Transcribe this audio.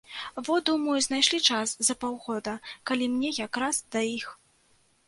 Во, думаю, знайшлі час за паўгода, калі мне як раз да іх.